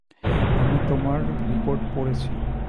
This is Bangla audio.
আমি তোমার রিপোর্ট পড়েছি।